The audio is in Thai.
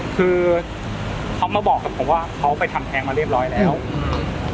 คือเขามาบอกกับผมว่าเขาไปทำแทงมาเรียบร้อยแล้วอืม